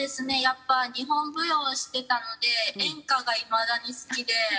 やっぱ日本舞踊をしてたので演歌がいまだに好きで。